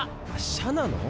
「シャ」なの？